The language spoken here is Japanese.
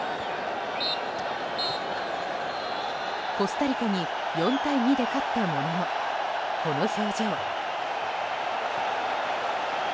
コスタリカに４対２で勝ったもののこの表情。